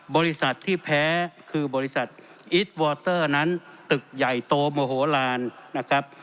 บริษัทที่แพ้คือบริษัทนั้นตึกใหญ่โตโมโหลานนะครับ